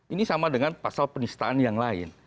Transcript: ini sama dengan pasal penistaan yang lain